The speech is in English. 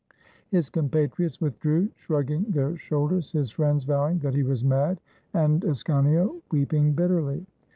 His compatriots withdrew, shrugging their shoulders, his friends vowing that he was mad, and Ascanio weep ing bitterly.